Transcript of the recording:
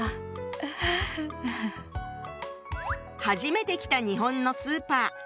初めて来た日本のスーパー。